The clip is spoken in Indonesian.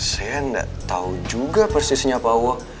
saya enggak tahu juga persisnya pak wo